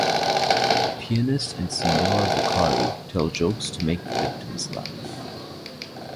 The Pianist and Signora Vaccari tell jokes to make the victims laugh.